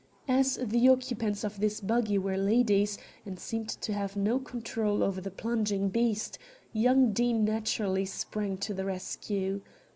As the occupants of this buggy were ladies, and seemed to have no control over the plunging beast, young Deane naturally sprang to the rescue.